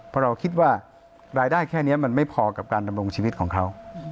เพราะเราคิดว่ารายได้แค่นี้มันไม่พอกับการดำรงชีวิตของเขา